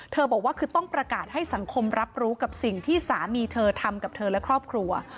บอกว่าคือต้องประกาศให้สังคมรับรู้กับสิ่งที่สามีเธอทำกับเธอและครอบครัว